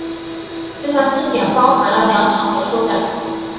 这项庆典包含了两场美术展。